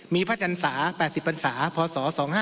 มีพระจันสา๘๐ภันษาพศ๒๕๕๐